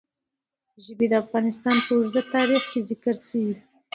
ژبې د افغانستان په اوږده تاریخ کې ذکر شوي دي.